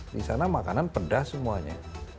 di sana makanan pedas semuanya